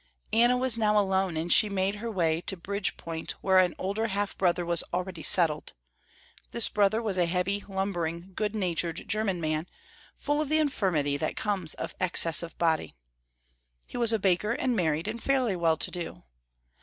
Anna was now alone and she made her way to Bridgepoint where an older half brother was already settled. This brother was a heavy, lumbering, good natured german man, full of the infirmity that comes of excess of body. He was a baker and married and fairly well to do.